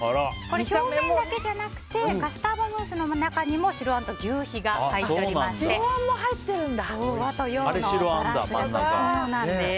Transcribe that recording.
表面だけじゃなくてカスタードムースの中にも白あんと求肥が入っておりまして和と洋のバランスが絶妙なんです。